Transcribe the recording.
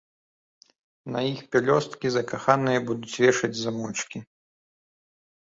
На іх пялёсткі закаханыя будуць вешаць замочкі.